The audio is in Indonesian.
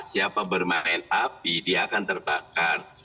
siapa bermain api dia akan terbakar